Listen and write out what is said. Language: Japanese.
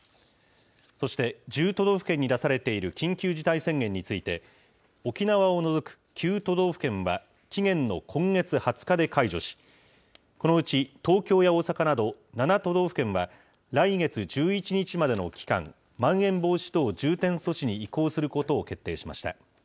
そして１０都道府県に出されている緊急事態宣言について、沖縄を除く９都道府県は期限の今月２０日で解除し、このうち東京や大阪など７都道府県は、来月１１日までの期間、まん延防止等重点措置に移行することを決定しました。